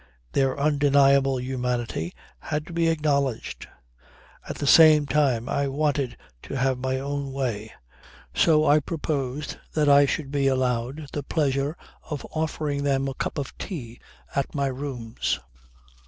Their undeniable humanity had to be acknowledged. At the same time I wanted to have my own way. So I proposed that I should be allowed the pleasure of offering them a cup of tea at my rooms.